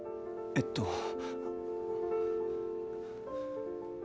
えっと。